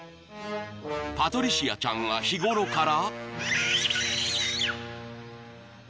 ［パトリシアちゃんが日頃から］